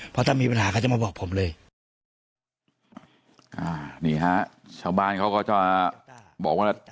เพราะถ้ามีปัญหาเขาจะมาบอกผมเลยอ่านี่ฮะชาวบ้านเขาก็จะบอกว่า